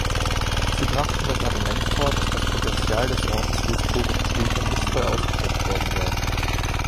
Sie brachten das Argument vor, dass das Potenzial des Ortes für historische Studien nicht voll ausgeschöpft worden sei.